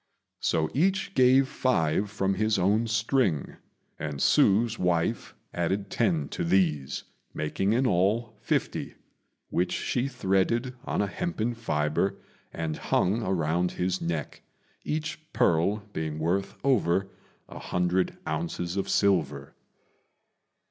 So each gave five from his own string, and Hsü's wife added ten to these, making in all fifty, which she threaded on a hempen fibre and hung around his neck, each pearl being worth over an hundred ounces of silver.